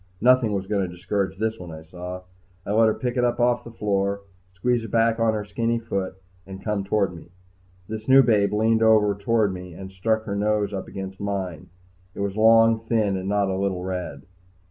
Nothing was going to discourage this one, I saw. I let her pick it off the floor, squeeze it back on her skinny foot, and come toward me. This new babe leaned over toward me and stuck her nose up against mine. It was long, thin, and not a little red.